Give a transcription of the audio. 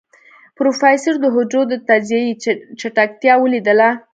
پروفيسر د حجرو د تجزيې چټکتيا وليدله.